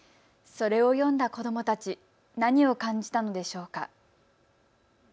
それを読んだ子どもたち、何を感じたのでしょうか。